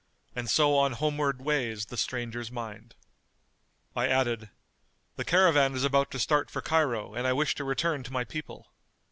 * And so on homeward way's the stranger's mind. I added, The caravan is about to start for Cairo and I wish to return to my people.